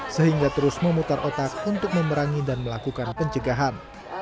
sehingga terus memutar otak untuk memerangi dan melakukan pencegahan